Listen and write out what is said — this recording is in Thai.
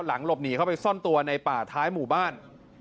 หลบหนีเข้าไปซ่อนตัวในป่าท้ายหมู่บ้าน